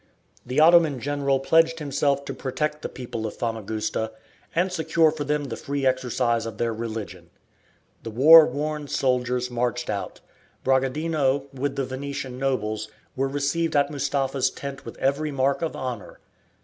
The Ottoman general pledged himself to protect the people of Famagusta, and secure for them the free exercise of their religion. The war worn soldiers marched out. Bragadino, with the Venetian nobles, were received at Mustapha's tent with every mark of honour.